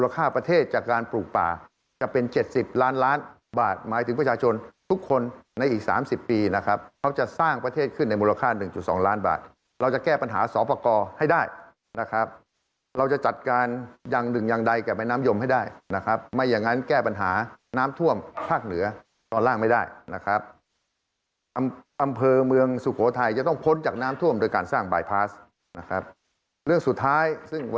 ครับเขาจะสร้างประเทศขึ้นในมูลค่าหนึ่งจุดสองล้านบาทเราจะแก้ปัญหาสอบประกอบให้ได้นะครับเราจะจัดการอย่างหนึ่งอย่างใดแก่แม่น้ำยมให้ได้นะครับไม่อย่างงั้นแก้ปัญหาน้ำท่วมภาคเหนือตอนล่างไม่ได้นะครับอำเภอเมืองสุโขทัยจะต้องพ้นจากน้ำท่วมโดยการสร้างบายพาสนะครับเรื่องสุดท้ายซึ่งว